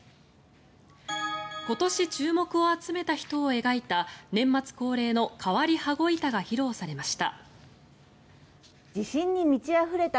今年注目を集めた人を描いた年末恒例の変わり羽子板が披露されました。